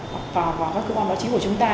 hoặc vào các cơ quan báo chí của chúng ta